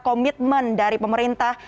komitmen dari pemerintah